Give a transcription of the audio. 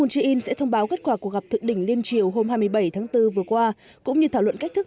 xin được chuyển sang phần tin quốc tế